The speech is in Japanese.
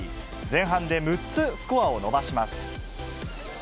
前半で６つスコアを伸ばします。